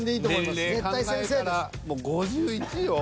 もう５１よ。